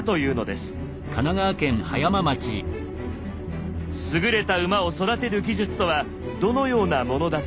すぐれた馬を育てる技術とはどのようなものだったのか。